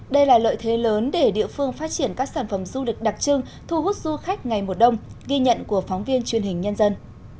đây là lợi thế lớn để địa phương phát triển các sản phẩm du lịch đặc trưng thu hút du khách ngày mùa đông ghi nhận của phóng viên truyền hình nhân dân